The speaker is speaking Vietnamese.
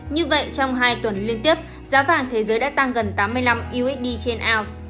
như vậy trong hai tuần liên tiếp giá vàng thế giới đã tăng gần tám mươi năm usd trên ounce